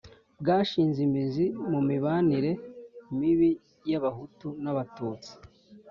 bwashinze imizi mu mibanire mibi y'Abahutu n'Abatutsi